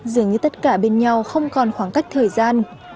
dường như tất cả bên nhau không còn khoảng cách thời gian